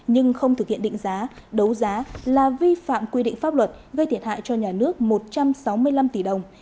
nhưng không thực hiện định giá đấu giá là vi phạm quy định pháp luật gây thiệt hại cho nhà nước một trăm sáu mươi năm tỷ đồng